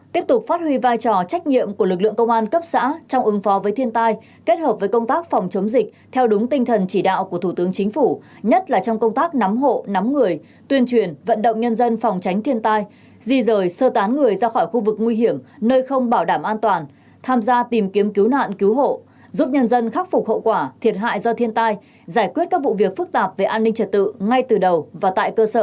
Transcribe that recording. sáu tiếp tục phát huy vai trò trách nhiệm của lực lượng công an cấp xã trong ứng phó với thiên tai kết hợp với công tác phòng chống dịch theo đúng tinh thần chỉ đạo của thủ tướng chính phủ nhất là trong công tác nắm hộ nắm người tuyên truyền vận động nhân dân phòng tránh thiên tai di rời sơ tán người ra khỏi khu vực nguy hiểm nơi không bảo đảm an toàn tham gia tìm kiếm cứu nạn cứu hộ giúp nhân dân khắc phục hậu quả thiệt hại do thiên tai giải quyết các vụ việc phức tạp về an ninh trật tự ngay từ đầu và tại cơ sở